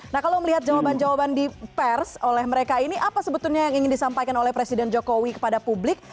nah kalau melihat jawaban jawaban di pers oleh mereka ini apa sebetulnya yang ingin disampaikan oleh presiden jokowi kepada publik